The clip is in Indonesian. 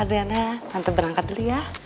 adriana tante berangkat dulu ya